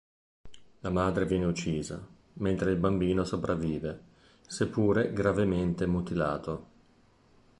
La madre viene uccisa, mentre il bambino sopravvive, seppure gravemente mutilato.